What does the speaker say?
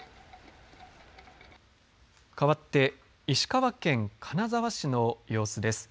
変わって石川県金沢市の様子です。